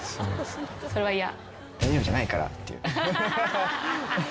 それは嫌？